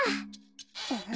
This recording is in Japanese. うん。